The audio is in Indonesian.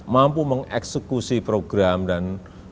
mampu mengeksekusi program dan